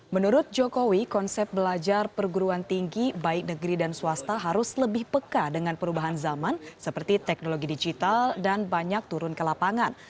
menurut jokowi konsep belajar perguruan tinggi baik negeri dan swasta harus lebih peka dengan perubahan zaman seperti teknologi digital dan banyak turun ke lapangan